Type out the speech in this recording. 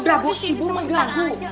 udah bos ibu mengganggu